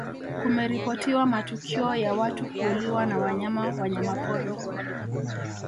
kumeripotiwa matukio ya watu kuuliwa na wanyama wanyamapori